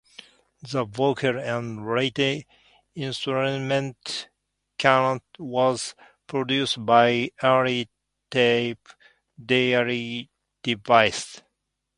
The vocal, and later instrumental canon was produced by early tape delay devices.